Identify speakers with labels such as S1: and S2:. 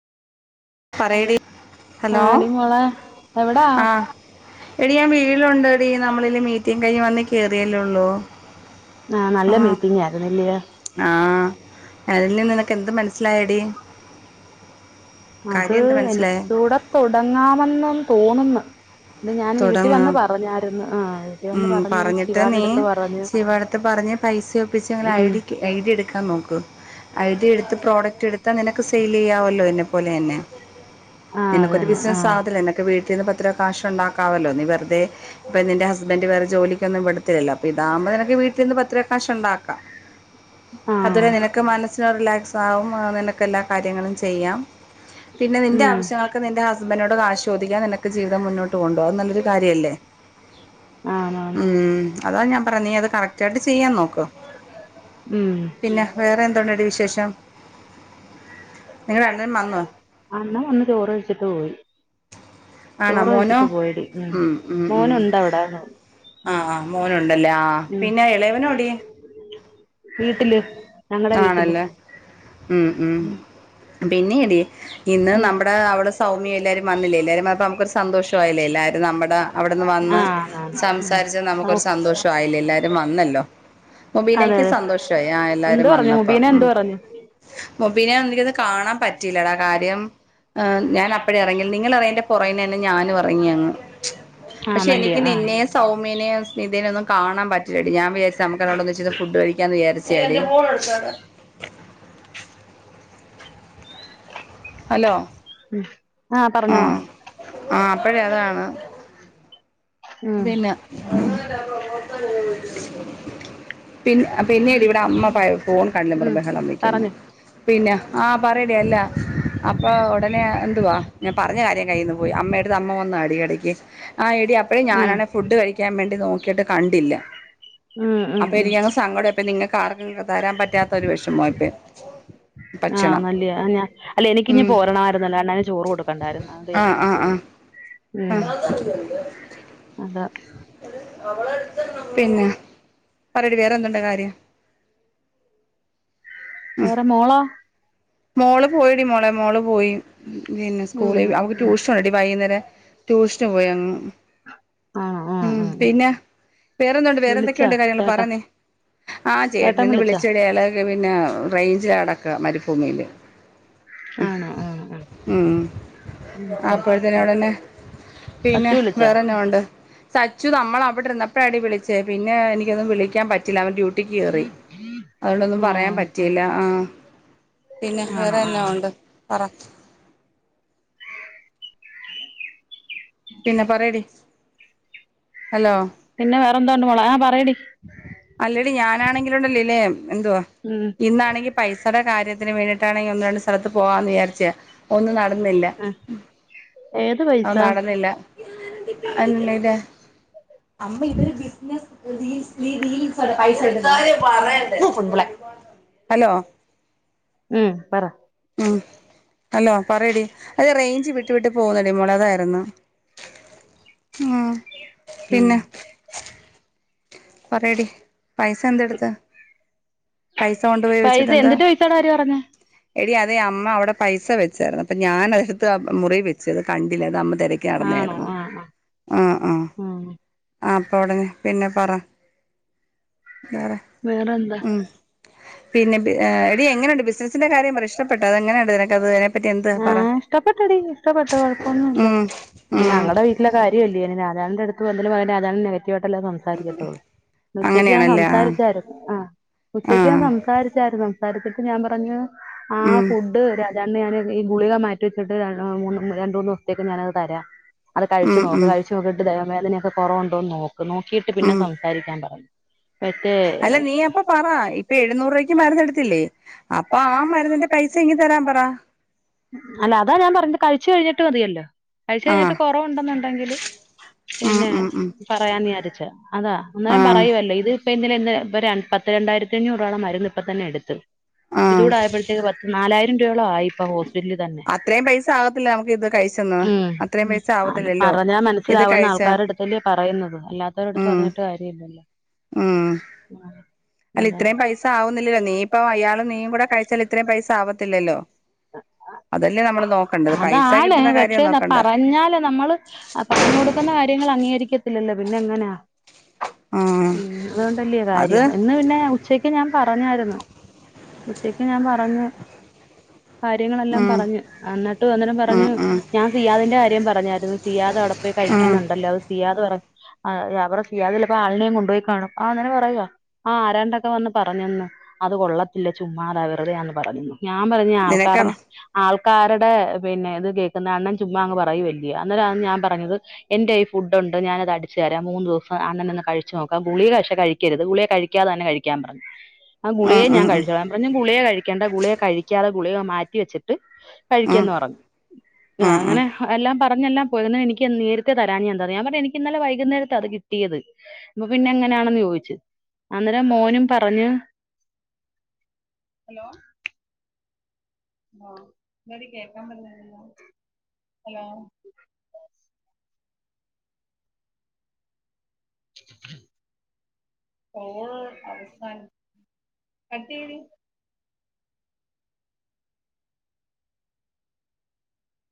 S1: പറയടി ഹലോ
S2: ആടി മോളെ എവിടാ
S1: ആഹ് എടി ഞാൻ വീട്ടിലുണ്ടടി നമ്മള മീറ്റിങ്ങു കഴിഞ്ഞ് വന്ന് കേയറിയല്ലേള്ളൂ
S2: ആഹ് നല്ല മീറ്റിംഗ ആയിന്നല്ലേ.
S1: ആഹ് അതിൽ നിന്ന് നിനക്ക് എന്ത് മനസ്സിലായടി
S2: അത് എനിക്കൂടെ തുടങ്ങാമെന്ന തോന്നുന്നു. ഇ ഞാൻ വീട്ടിൽ
S1: തുടങ്ങ്
S2: വന്ന് പറഞ്ഞായിരുന്നു ആഹ് വീട്ടിൽ വന്ന്
S1: ഉം
S2: പറഞ്ഞു
S1: പറഞ്ഞിട്ട് നീ
S2: ശിവാടെടുത്ത് പറഞ്ഞു
S1: ശിവടുത്ത് പറഞ്ഞ് പൈസ ഒപ്പിച്ച് അങ്ങനെ ഐ
S2: ഉം
S1: ഡി ഐ ഡി എടുക്കാൻ നോക്കൂ ഐ ഡി എടുത്ത് പ്രോഡക്റ്റ് എടുത്ത് ഇതാനിനക്ക് സെയിൽ ചെയ്യാമല്ലോ എന്നെ പോലെന്നെ
S2: ആഹ് അത്
S1: നിനക്കൊരു
S2: തന്നെ
S1: ബിസിനസ്
S2: ആഹ്
S1: ആകല ഒക്കെ വീട്ടിൽ നിന്ന് പത്തിരുവാ കാശ ഉണ്ടാക്കമല്ലോ. വെറുതെ പെണ്ണിനിന്റെ ഹസ്ബൻറ് വേറെ ജോലിക്കൊന്നും വിടുത്തില്ല അപ്പൊ ഇതാവുമ്പോ നിനക്ക് വീട്ടിൽ നിന്ന് പത്ത് രപ കാശഉണ്ടാക്കാം.
S2: [inaudible]
S1: അതുവരെ നിനക്ക് മനസ്സിന് റിലാക്സ് ആകും നിനക്ക് എല്ലാ
S2: ആഹ്
S1: കാര്യങ്ങളും ചെയ്യാം. പിന്നെ നിന്റെ ആശ്യങ്ങൾക്ക് നിന്റെ ഹസ്ബൻഡിനോട് കാശ്ദിക്കാത്ത നിനക്ക് ജീവിതം മുന്നോട്ട് ണ്ടോ അത് നല്ലൊരു കാര്യമല്ലേ
S2: ആണാണ്
S1: ഉം അതാണ് ഞാൻ പറഞ്ഞീ അത് കറക്റ്റ് ആയിട്ട് ചെയ്യാൻ നോക്കോ
S2: ഉം
S1: പിന്നെ വേറെ എന്തോണ്ടടി വിശേഷം നിന്റെ അണ്ണൻ വന്നോ
S2: അണ്ണൻ വന്ന് ചോറ് ഒഴിച്ചിട്ട് പോയി.
S1: ആണോ
S2: ചോറ് ക
S1: മോനോ
S2: ഴിച്ചിട്ട് പോയിടി ഉം
S1: ഉം, ഉം.
S2: മോനുണ്ട അവിട ആഹ് ആഹ്
S1: ആഹ്
S2: അങ്ങനെ ഉണ്ട്
S1: മോനുണ്ടല്ലേ ആഹ്
S2: ല്ലെ പിന്നെ എളയതിനെ
S1: ഇളയവനോടി
S2: ഔടെ ഞങ്ങടെ വീട്ടില്
S1: ആണല്ലേ ഉം ഉം പിന്നെടി ഇന്ന്
S2: ഉം
S1: നമ്മുടെ അവിടെ സൗമ്യ എല്ലാവരും വന്നില്ലേ എല്ലാരും വന്നപ്പോ നമുക്കൊരു സന്തോഷ ആല്ലേ എല്ലാരരും നമ്മുടെ അവിടുന്ന് വന്ന്
S2: ആഹ് ആഹ്
S1: സംസാരിച്ച
S2: ഓ
S1: നമുക്കൊരു സന്തോഷയില്ല എല്ലരും വന്നല്ലോ.
S2: അതെ
S1: മുബീനക്ക്
S2: അതെ
S1: സന്തോഷമായി ആഹ്
S2: എന്ത്
S1: എല്ലാരും
S2: പറഞ്ഞു
S1: വന്നപ്പ
S2: മുബീന
S1: ഉം
S2: എന്ത് പറഞ്ഞു
S1: മുബീന നെ എനിക്കൊന്നു കാണാൻ പറ്റീല്ലടാ കാര്യം ഞാൻപ്പഴടെ ഇറങ്ങി നിങ്ങളിറിങ്ങിയേന്റെ പുറേന തന്നെ ഞാനും ഇറങ്ങിയങ്
S2: ആഹ് അന്നല്ലേ
S1: നിന്ന്യൊ സൗമ്യേനെ സ്‌മിതേനൊന്നും കാണാൻ പറ്റില്ലടി ഞാൻ വിചാരിച് നമുക്ക് എല്ലാടൊന്ന് ഒന്നിച്ച് ഇത് ഫുഡ് കഴിക്കാന്ന് വിചാരിച്ചേടി ഹലോ
S2: ഉം ആ
S1: ആഹ്
S2: പറഞ്ഞോളാം
S1: ആഹ് അപ്പഴേ അതാണ്
S2: ഉം
S1: പിന്നെ പിന്നെ പിന്നീട് ഇവിടെ അമ്മ ഫോൺ കണ്ടെന്നു
S2: ഉം
S1: പറഞ്ഞു ബഹള വെയ്ക്കുന്നു.
S2: പറഞ്ഞോ
S1: പിന്നെ ആഹ് പറയടി അല്ല അപ്പൊ ഉടനെ എന്തുവാ ഞാൻ പറഞ്ഞ കാര്യം കയ്യിൽന്ന് പോയി അമ്മ എടുത്ത് അമ്മ വന്ന് അടടക്ക് ആ ഹ്എടി അപ്പഴേ
S2: ഉം
S1: ഞാനാെ ഫുഡ് കഴിക്കാൻ വേണ്ടി നോക്കിട്ട് കണ്ടില്ല
S2: ഉം ഉം
S1: അപ്പ
S2: ഉം
S1: എനിക് സങ്കടം അങ്ങോടെ ഇപ്പ നിങ്ങക്ക് ആർക്കും തരാൻ പറ്റാത്ത ഒരു വിഷമം ആയിപ്പോയി
S2: ആഹ് നല്ലയാ അ ഞാ അല്ല എനിക്കിഞ്ഞി
S1: ഉം
S2: പോരണായിരുന്നല്ലോ അണ്ണന് ചോറ് കൊടുക്കണ്ടായിരുന്നു അതേ ഞാന ഇങ്ങ് പോര്
S1: ഉം
S2: അതാ
S1: പിന്നെ പറയടി വേറെന്തുണ്ട് കാര്യം
S2: വേറെ മോളോ
S1: മോള് പോയിടി മോളെ മോള് പോയി പിന്നെ
S2: ഉം
S1: സ്കൂളേ വി അവക്ക്
S2: ഉം
S1: ട്യൂഷനുണ്ടടി വൈകുന്നേരം ട്യൂഷന് പോയി അങ്ങ്
S2: ആ ആ
S1: ഉം
S2: ആ
S1: പിന്നെ വേറെന്തുണ്ട്
S2: വിളിച്ചാ
S1: വേറെന്തൊക്കെയുണ്ട് കാര്യങ്ങള് പറ
S2: ചേട്ടാ
S1: നീ ആഹ്
S2: ചേട്ടൻ
S1: ചേട്ടനിന്ന്
S2: വിളിച്ചാ
S1: വിളിച്ചോടി അയാള് ല്ലപിന്നെ റേഞ്ച് എടക്ക മരുഭൂമിയില്
S2: ആണോ ആ ആ
S1: ഉം
S2: ഉം ശരി
S1: അപ്പോഴത്തേന് അവിടെന്നെ
S2: അച്ചു
S1: പിന്നെ
S2: വിളിച്ചാ
S1: വേറെന്നാ ഉണ്ട് സച്ചു നമ്മള് അവിടെ ഇരുന്നപ്പഴാടി വിളിച്ചേ പിന്നെ എനിക്കൊന്നും വിളിക്കാൻ പറ്റില്ല അവൻ ഡ്യൂ ട്ടിക്ക് കേറി അതോണ്ടൊന്നും പറയാൻ
S2: ഉം
S1: പറ്റിയില്ല ആഹ് പിന്നെ
S2: ആണോ
S1: വേറെ
S2: ആ
S1: എന്നാ ഉണ്ട് പറ പിന്നെ പറയടി ഹലോ
S2: പിന്നെ വേറെ എന്തോ ഉണ്ട് മോളേ ആഹ് പറയടി
S1: അല്ലടി ഞാനാണെങ്കിലുണ്ടല്ലോലേ എന്തുവാ
S2: ഉം
S1: ഇന്നാണെങ്കിൽ പൈസടെ കാര്യത്തിന് വേണ്ടിട്ടാണെങ്കി ഒന്ന് രണ്ട് സ്ഥലത്ത് പോവാന്ന് വിചാരിച്ചയാ ഒന്നും നടന്നില്ല
S2: ആ ഏത്
S1: അവ്
S2: പൈസ
S1: നടന്നില്ല അന്നിലെ [unintelligible] ഹലോ
S2: ഉം പറ
S1: ഉം ഹലോ പറയടി അതേ റേഞ്ച് വിട്ട് വിട്ട് പോന്നടി മോളേ അതായിരുന്നു ഉം
S2: ഉം
S1: പിന്നെ പറയടി പൈസ എന്തെടുത്ത് പൈസ കൊണ്ടുപോയി
S2: പൈസേ
S1: വെച്ചിട്ടെന്താ
S2: എന്തൂട്ട് പൈസടെ കാര്യ പറഞ്ഞെ
S1: എടി അതേ അമ്മ അവിടെ പൈസ വെച്ചേർന്ന് അപ്പ ഞാന് അത് എടുത്ത് ആ മുറീൽ വെച്ച് അത് കണ്ടില്ലേർന്ന് അത് അമ്മ തെര
S2: ആണോ ആഹ് ആ
S1: ആഹ് ആഹ്
S2: ആഹ്
S1: ആ അപ്പൊ ഉടനെ പിന്നെ പറ വേറെ
S2: വേറെ എന്താ
S1: ഉം പിന്നെ ബി എ് എടി
S2: എങ്ങനെണ്ട്
S1: എങ്ങനുണ്ട്
S2: ബിസിനസിന്റെ
S1: ബിസിനസ്സിന്റെ കാര്യം പറ ഇഷ്ടപ്പെട്ടോ
S2: പ്രശ്നപ്പെട്ടോ
S1: അത്
S2: അതെങ്ങനെ
S1: എങ്ങനെയുണ്ട് നിനക്കത് വെരെ
S2: ആഹ് ഇഷ്ടപ്പെട്ടടി ഇഷ്ടപ്പെട്ട് കൊഴപ്പൊന്നുല്ല
S1: ഉം ഉം
S2: ഞങ്ങടെ വീട്ടിലെ കാര്യ ത്തില്ലേനിം രാജാവിൻ്റെ അടുത്ത് വ എന്തേലും പറഞ്ഞ രാജാവിന് നെഗറ്റീവായിട്ടല്ലേ തോന്നു സംസാരിക്കത്തുള്ളൂ ന്ന്ഉച്ചക്ക് ഞാൻ
S1: അങ്ങനെയാണല്ലേ ആഹ്
S2: സംസാരിച്ചായിരുന്നു ആ ഉച്ചക്ക് ഞാൻ
S1: ആഹ്
S2: സംസാരിച്ചായിരുന്നു സംസാരിച്ചിട്ട് ഞാൻ പറഞ്ഞു ആ
S1: ഉം
S2: ഫുഡ് രാജേട്ടന് ഞാന് ഈ ഗുളിക മാറ്റി വച്ചിട്ട് ര മൂന്ന് രണ്ട് മൂന്ന് ദിവസത്തേക്ക് ഞാനത് തരാം അത് കഴിച്ചു
S1: ഉം
S2: നോക്ക്
S1: ഉം
S2: കഴിച്ച് ചട്ട് ദേഹം വേദനയൊക്കെ കുറവുണ്ടോന്ന് നോക്ക് നോക്കിട്ട് പിന്നെ
S1: ഉം
S2: സംസാരിക്കാൻ പറ മറ്റേ അല്ല നീ അപ്പൊ പറ ഇപ്പൊ എഴുന്നൂറ് രൂപയ്ക്ക് [unintelligible] എടുത്തില്ലേ അപ്പൊ ആ മരുന്നിന്റെ
S1: പൈസ ഇങ്ങ് തരാൻ പറ
S2: അല്ല അതാ ഞാൻ പറഞ്ഞത് കഴിച്ചു കഴിഞ്ഞിട്ട് മതിയല്ലോ കഴിച്ച്
S1: ആഹ്
S2: കഴിഞ്ഞിട്ട് കൊറവുണ്ടെന്നുണ്ടെങ്കില്
S1: ഉം
S2: പിന്നെ
S1: ഉം ഉം
S2: പറയാന്ന് വിചാരിച്ചു അതാ അന്നേരം
S1: ആഹ്
S2: പറയുവല്ലോ ഇത് ഇപ്പ ഇന്നലെ ഇന്ന് ബരെ പത്ത് രണ്ടായരിത്തഞ്ഞൂറ് രൂപോളം മരുന്ന് ഇപ്പൊ തന്നെ എടുത്തു
S1: ആഹ്
S2: ഇതൂടെ ആയപ്പോഴത്തേക്ക് പത്ത് നാലായിരം രൂപോളം ആയി ഇപ്പ ഹോസ് [unintelligible] അത്രേയും
S1: അത്രയും
S2: പൈസ ആവത്തില്ല
S1: ആകത്തില്ല നമുക്ക് ഇത്
S2: നമ്മക്ക്
S1: കഴിച്ചെന്ന് അത്രയും പൈസ
S2: [unintelligible]
S1: ആവത്തില്ലല്ലോ
S2: പറഞ്ഞ
S1: ഇത്
S2: മനസിലാവുന്ന
S1: കഴിച്ച
S2: ആൾക്കാരുടെ അടുത്ത് അല്ല്യോ പറയുന്നത് അല്ലാത്തവരടുത്ത്
S1: ഉം
S2: പറഞ്ഞിട്ട് കാര്യല്ലല്ലോ?
S1: ഉം അല്ല ഇത്രയും പൈസ ആവുന്നില്ലല്ലോ നീയിപ്പ അയാളും നീയും കൂടെ കഴിച്ചാൽ ഇത്രയും പൈസ ആവത്തില്ലല്ലോ? അതല്ലേ നമ്മള് നോക്കണ്ടത് പൈസ
S2: അതാണ്
S1: കിട്ടുന്ന
S2: പക്ഷേ
S1: കാര്യം
S2: ന
S1: നോക്കണ്ട
S2: പറഞ്ഞാല് നമ്മള്. ആപറഞ്ഞ് കൊടുക്കുന്ന കാര്യങ്ങള് അംഗീകരിക്കത്തില്ലല്ലോ പിന്നെ എങ്ങനാ?
S1: ആഹ്
S2: ഉം തുകൊണ്ട്ലിയ
S1: അത്
S2: കാര്യം ഇന്ന് പിന്നെ ഉച്ചക്ക് ഞാൻ പറഞ്ഞായിരുന്നു ഉച്ചക്ക് ഞാൻ പറഞ്ഞു. കാര്യങ്ങളെല്ലാം
S1: ഉം
S2: പറഞ്ഞ് എന്നിട്ട് അന്നേരം
S1: ഉം
S2: പറഞ്ഞു
S1: ഉം
S2: ഞാൻ സിയാതിന്റെ കാര്യം പറഞ്ഞായിരുന്നു സിയാത അവിടേ
S1: ഉം
S2: കഴിക്കുന്നുണ്ടല്ലോ അത് സീയാദ് പറ അ അവറ ചെയ്യാതില്ലപ്പോ ആളിനെയം കൊണ്ടുപോയി കാണും ആ അങ്ങനെ പറയുക ആ ആരാണ്ടൊക്കെ വന്ന് പറഞ്ഞന്ന് അത് കൊള്ളത്തില്ല ചുമ്മാത വെറുതെയാന്ന് പറഞ്ഞു ഞാൻ പറഞ്ഞു
S1: നിനക്ക്
S2: പറഞ്ഞ
S1: ഉം
S2: ആൾക്കാരുടെ പിന്നെ ഇത് കേൾക്കുന്ന അണ്ണൻ ചുമ്മാ അങ്ങ് പറയു വല്ല്യോ അന്നേരാന്ന് ഞാൻ പറഞ്ഞത് എന്റെ ഈ ഫുഡ് ഒണ്ട് ഞാന അത് അടിച്ച്തരാം മൂന്ന് ദിവസം അന്നനൊ ന്ന് കഴിച്ചു നോക്ക ഗുളിക കശെ കഴിക്ക കിക്കരുത് ഗുളിയെ കഴിക്കാതെ തന്നെ കഴിക്കാൻ പറഞ്ഞ്. ആ ഗുളിയെ ഞാൻ
S1: ഉം ഉം
S2: കഴിച്ചോളാംഞറഞ്ഞ് ഗുളിയെ കഴിക്കണ്ട ഗുളികയെ കഴിക്കാതെ ഗുളെ മാറ്റിവെച്ചിട്ട്
S1: ഉം
S2: കഴിക്കന്ന് പറഞ്ഞ അ
S1: ഉം ഉം
S2: അങ്ങനെ എല്ലാം പറഞ്ഞെല്ലാം പോയി എനിക്ക് നേരത്തെ തരാൻ ഞാ തഞ്ഞ ഞാൻ പറഞ്ഞ എനിക്ക് ഇന്നല വൈകുന്നേരത്തെ അത് കിട്ടിയത് അപ്പൊ പിന്നെ എങ്ങനെയാണെന്ന് ചോദിച്ചത് അന്നേരം മോനും പറഞ്ഞ ഹലോ ആഹ് എന്താടി കേക്കാൻ പറില്ലല്ലോ ഹലോ. ഓൾ അവസാനം കട്ടി